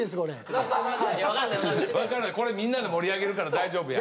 これみんなで盛り上げるから大丈夫や。